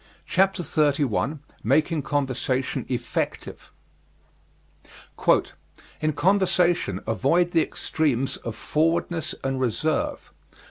] CHAPTER XXXI MAKING CONVERSATION EFFECTIVE In conversation avoid the extremes of forwardness and reserve.